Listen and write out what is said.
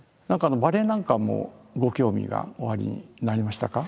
バレエなんかもご興味がおありになりましたか？